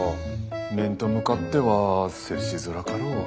面と向かっては接しづらかろう。